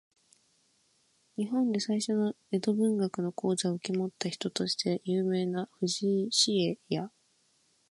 日本で最初の江戸文学の講座を受け持った人として有名な藤井紫影や、